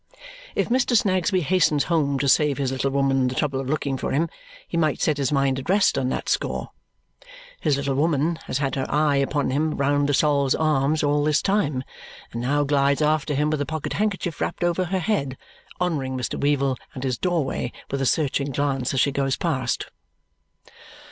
If Mr. Snagsby hastens home to save his little woman the trouble of looking for him, he might set his mind at rest on that score. His little woman has had her eye upon him round the Sol's Arms all this time and now glides after him with a pocket handkerchief wrapped over her head, honouring Mr. Weevle and his doorway with a searching glance as she goes past.